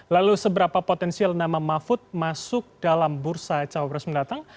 lalu seberapa potensial nama mahfud masuk dalam bursa cawapres mendatang